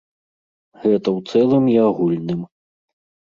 Гэта ў цэлым і агульным.